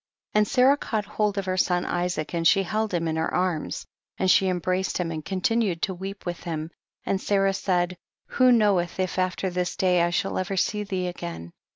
18. And Sarah caught hold of her son Isaac, and she held him in her arms, and she embraced him and continued to weep with him, and Sarah said, who knoweth if after this day I shall ever see thee again T 19.